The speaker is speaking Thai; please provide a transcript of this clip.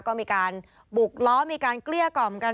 ก็มีการบุกล้อมีการเกลี้ยกล่อมกัน